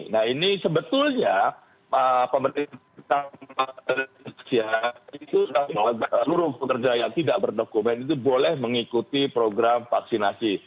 nah ini sebetulnya pemerintah malaysia seluruh pekerja yang tidak berdokumen itu boleh mengikuti program vaksinasi